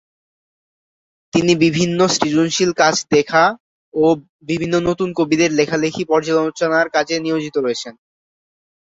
তিনি বিভিন্ন সৃজনশীল কাজ দেখা ও বিভিন্ন নতুন কবিদের লেখালেখি পর্যালোচনার কাজে নিয়োজিত রয়েছেন।